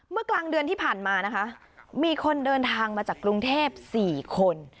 กลางเดือนที่ผ่านมานะคะมีคนเดินทางมาจากกรุงเทพ๔คน